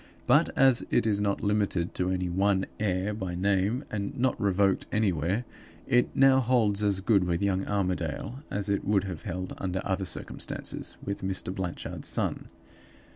But, as it is not limited to any one heir by name, and not revoked anywhere, it now holds as good with young Armadale as it would have held under other circumstances with Mr. Blanchard's son.